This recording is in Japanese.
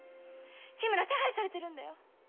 緋村手配されてるんだよ。